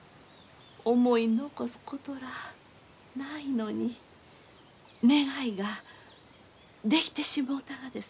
思い残すことらあないのに願いができてしもうたがです。